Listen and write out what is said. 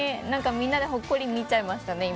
みんなでほっこり見ちゃいましたね、今。